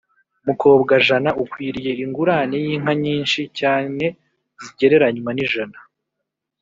mukobwajana: ukwiriye ingurane y’inka nyinshi cyane zigereranywa n’ijana